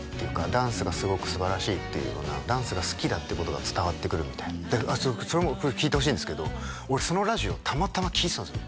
ダンスがすごくすばらしいってダンスが好きだってことが伝わってくるみたいなそれもこれ聞いてほしいんですけど俺そのラジオたまたま聴いてたんですよ